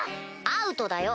アウトだよ！